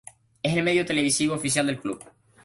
Es el medio televisivo oficial del club.